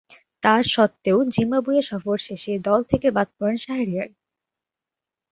তা স্বত্ত্বেও জিম্বাবুয়ে সফর শেষে দল থেকে বাদ পড়েন শাহরিয়ার।